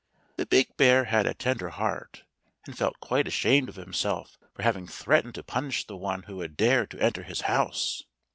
The big bear had a tender heart, and felt quite ashamed of himself for having threatened to punish the one who had dared to enter his house.